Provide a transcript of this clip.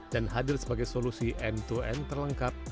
dan hadir sebagai solusi end to end terlengkap